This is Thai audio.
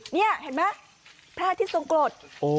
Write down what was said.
นี่เห็นไหมพระอาทิตย์ทรงกรด